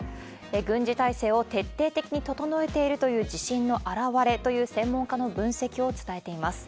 軍事態勢を徹底的に整えているという自信の表れという専門家の分析を伝えています。